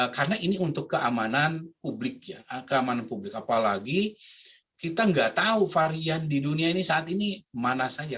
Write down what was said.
karena ini untuk keamanan publik ya keamanan publik apalagi kita nggak tahu varian di dunia ini saat ini mana saja